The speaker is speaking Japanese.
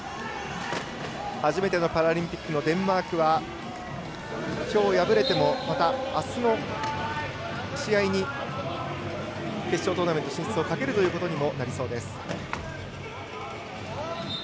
初めてのパラリンピックのデンマークは、きょう敗れてもまた、あすの試合に決勝トーナメント進出にかけるということにもなりそうです。